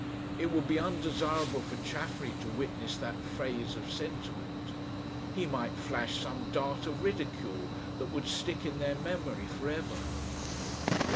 It would be undesirable for Chaffery to witness that phase of sentiment. He might flash some dart of ridicule that would stick in their memory for ever.